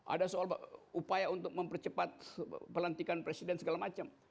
ada soal upaya untuk mempercepat pelantikan presiden segala macam